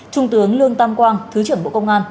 trung tướng lương tam quang thứ trưởng bộ công an